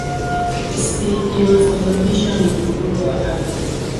iosababishwa na mgogoro wa wa ardhi